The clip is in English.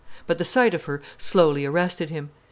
But the sight of her slowly arrested him.